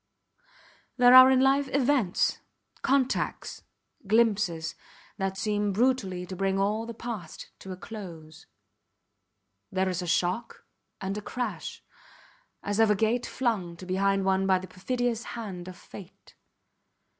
There are in life events, contacts, glimpses, that seem brutally to bring all the past to a close. There is a shock and a crash, as of a gate flung to behind one by the perfidious hand of fate.